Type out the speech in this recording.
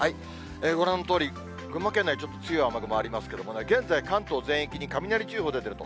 ご覧のとおり、群馬県内ちょっと強い雨雲ありますけどね、現在、関東全域に雷注意報出てると。